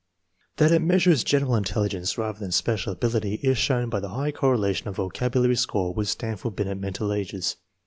1 That it measures general intelligence rather than special ability is shown by the high correlation of vocabulary score with Stanford Binet mental ages.